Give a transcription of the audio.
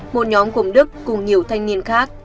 một nhóm cùng đức cùng nhiều thanh niên khác